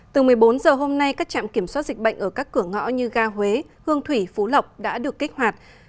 từ một mươi bốn h hôm nay các trạm kiểm soát dịch bệnh ở các cửa ngõ như ga huế hương thủy phú lộc đã được kích hoạt